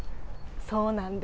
そうなんです。